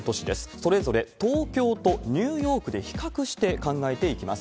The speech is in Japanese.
それぞれ東京とニューヨークで比較して考えていきます。